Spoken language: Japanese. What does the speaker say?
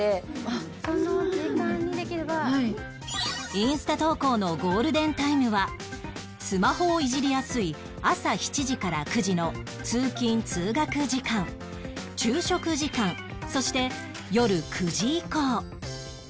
インスタ投稿のゴールデンタイムはスマホをいじりやすい朝７時から９時の通勤・通学時間昼食時間そして夜９時以降